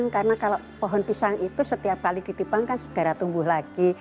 karena kalau pohon pisang itu setiap kali ditipang kan segera tumbuh lagi